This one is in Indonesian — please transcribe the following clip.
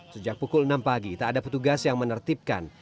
sejak pukul enam pagi tak ada petugas yang menertibkan